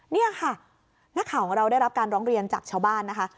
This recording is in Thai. นี่ค่ะนักข่าวของเราได้รับการร้องเรียนจากชาวบ้านนะคะ